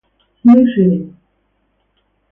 слышали